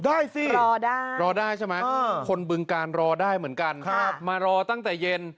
ได้สิรอได้รอได้ใช่ไหมคนบึงการรอได้เหมือนกันมารอตั้งแต่เย็น